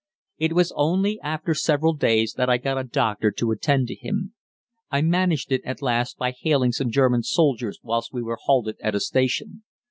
It was only after several days that I got a doctor to attend to him. I managed it at last by hailing some German soldiers whilst we were halted at a station.